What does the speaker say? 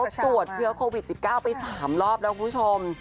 เขาตรวจเชื้อโควิด๑๙ไป๓รอบแล้วคุณผู้ชม